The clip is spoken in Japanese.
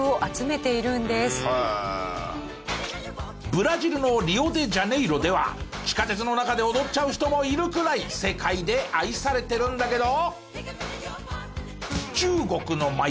ブラジルのリオデジャネイロでは地下鉄の中で踊っちゃう人もいるくらい世界で愛されてるんだけど。